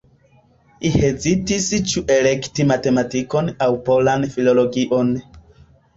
Hezitis ĉu elekti matematikon aŭ polan filologion.